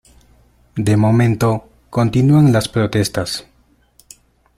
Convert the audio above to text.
De momento, continúan las protestas.